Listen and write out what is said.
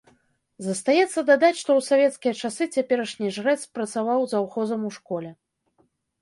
Застаецца дадаць, што ў савецкія часы цяперашні жрэц працаваў заўхозам у школе.